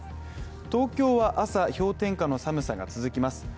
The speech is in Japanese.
東京は朝氷点下の寒さが続きます。